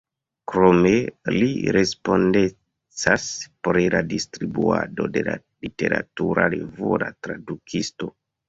Krome li respondecas pri la distribuado de la literatura revuo La Tradukisto.